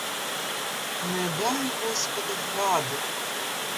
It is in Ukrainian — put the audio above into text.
Не дай господи граду.